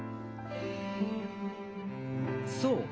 そう。